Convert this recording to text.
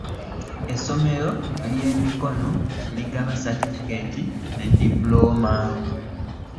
Essomero lye mikono ligaba satifikeeti ne dipuloma.